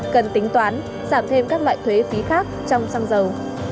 cần tính toán giảm thêm các loại thuế phí khác trong xăng dầu